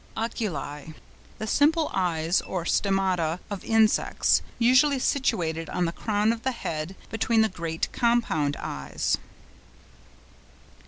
OCELLI.—The simple eyes or stemmata of insects, usually situated on the crown of the head between the great compound eyes.